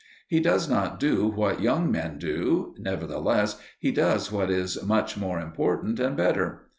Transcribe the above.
He does not do what young men do; nevertheless he does what is much more important and better.